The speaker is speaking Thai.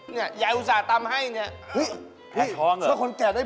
หญายัยอุตส่าห์ตำให้